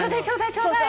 ちょうだい！